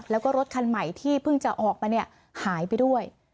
แล้วก็รถคันใหม่ที่เพิ่งจะออกมาเนี่ยหายไปด้วย